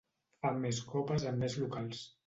Fan més copes en més locals.